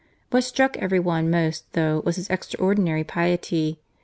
But what struck everyone most was his extraordinary piety.